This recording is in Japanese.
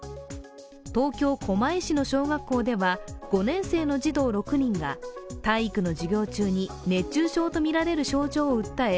東京・狛江市の小学校では５年生の児童６人が体育の授業中に熱中症とみられる症状を訴え